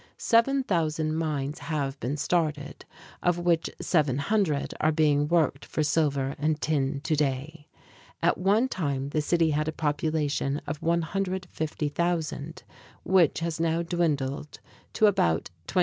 Seven thousand mines have been started, of which seven hundred are being worked for silver and tin today. At one time the city had a population of 150,000, which has now dwindled to about 25,000.